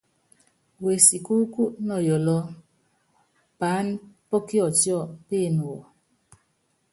Wesikúúkú nɔ Yɔɔlɔ, paána pɔ́ Kiɔtiɔ péene wɔ.